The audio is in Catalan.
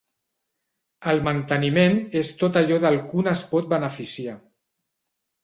El manteniment és tot allò del que un es pot beneficiar.